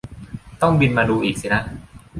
ต้องบินมาดูอีกสินะ